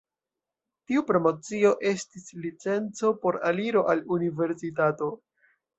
Tiu promocio estis licenco por aliro al universitato.